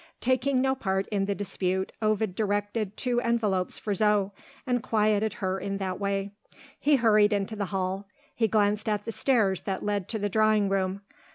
Taking no part in the dispute, Ovid directed two envelopes for Zo, and quieted her in that way. He hurried into the hall; he glanced at the stairs that led to the drawing room.